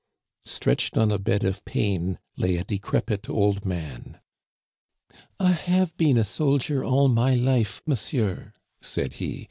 Stretched on a bed of pain lay a decrepit old man. " I have been a soldier all my life, monsieur," said he.